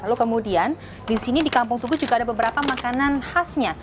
lalu kemudian di sini di kampung tugus juga ada beberapa makanan khasnya